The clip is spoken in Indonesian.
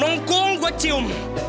mengkung gue cium